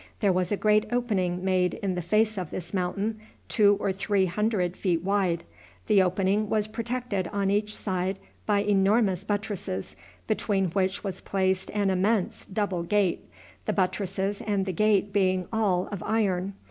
There was a great opening made in the face of this mountain two or three hundred feet wide. The opening was protected on each side by enormous buttresses, between which was placed an immense double gate, the buttresses and the gate being all of iron.